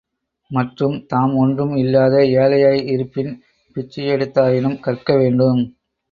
மற்றும், தாம் ஒன்றும் இல்லாத ஏழையாய் இருப்பின் பிச்சையெடுத்தாயினும் கற்க வேண்டும்.